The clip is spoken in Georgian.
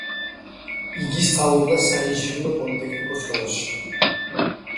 იგი სწავლობდა საინჟინრო პოლიტექნიკურ სკოლაში.